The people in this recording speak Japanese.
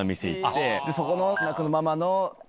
そこの。